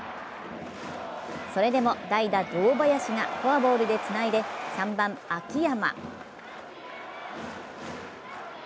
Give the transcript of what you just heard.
それでも代打・堂林がフォアボールでつないで３番・秋山。